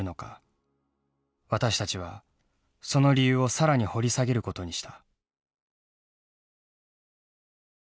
私たちはその理由を更に掘り下げることにした。